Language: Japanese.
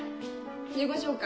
自己紹介？